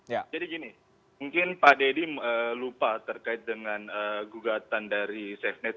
jadi gini mungkin pak deddy lupa terkait dengan gugatan dari safenet